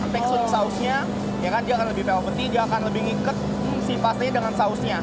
tekstur sausnya ya kan dia akan lebih velvety dia akan lebih ngikat si pastanya dengan sausnya